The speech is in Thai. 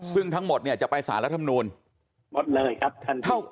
ซึ่งทั้งหมดเนี่ยจะไปสารรัฐมนูลหมดเลยครับท่าน